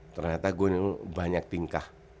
ternyata gue banyak tingkah